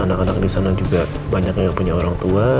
anak anak disana juga banyak yang punya orang tua